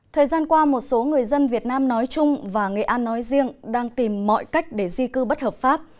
thời gian qua một số người dân việt nam nói chung và nghệ an nói riêng đang tìm mọi cách để di cư bất hợp pháp